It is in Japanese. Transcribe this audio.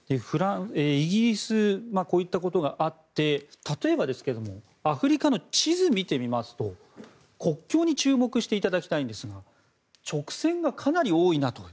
イギリスこういったことがあって例えばですけどもアフリカの地図を見てみますと国境に注目していただきたいんですが直線がかなり多いなと。